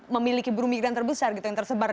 memiliki buru migran terbesar gitu yang tersebar